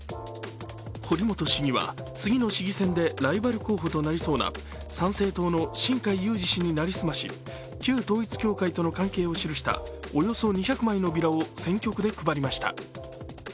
堀本市議は次の市議選でライバル候補となりそうな参政党の新開裕司氏に成り済まし旧統一教会との関係を記したおよそ２００枚のビラを選挙区で配りました。